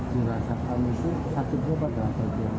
dirasakan musuh sakitnya apa dalam bagiannya